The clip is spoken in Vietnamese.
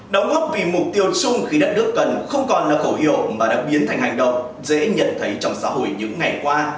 đóng góp vì mục tiêu chung khi đất nước cần không còn là khẩu hiệu mà đã biến thành hành động dễ nhận thấy trong xã hội những ngày qua